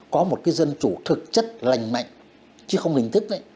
có một dân chủ thực chất lành mạnh chứ không hình thức